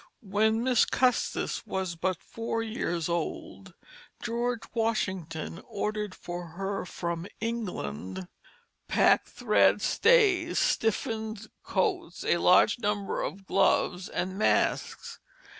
When "Miss Custis" was but four years old George Washington ordered for her from England packthread stays, stiffened coats, a large number of gloves and masks.